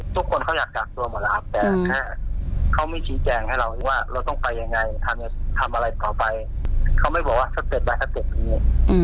ทำอะไรต่อไปเขาไม่บอกว่าสเต็ดบ้านสเต็ดตรงนี้